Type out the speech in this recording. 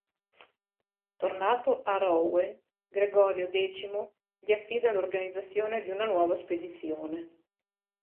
Tornato a Rouen Gregorio X gli affida l'organizzazione di una nuova spedizione.